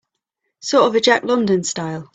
Sort of a Jack London style?